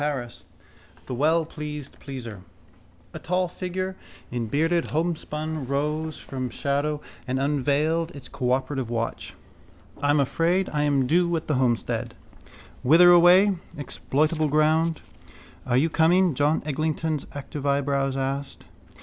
Paris: the wellpleased pleaser. A tall figure in bearded homespun rose from shadow and unveiled its cooperative watch. —I am afraid I am due at the Homestead. Whither away? Exploitable ground. —Are you going? John Eglinton's active eyebrows asked.